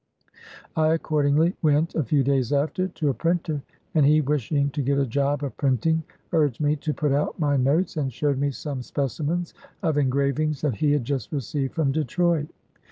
I accordingly went, a few days after, to a printer, and he, wishing to get a job of printing, urged me to put out my notes, and showed me some specimens of engravings that he had just received from Detroit.